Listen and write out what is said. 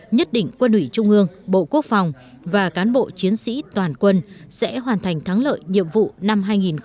nhất định quân ủy trung ương bộ quốc phòng và cán bộ chiến sĩ toàn quân sẽ hoàn thành thắng lợi nhiệm vụ năm hai nghìn hai mươi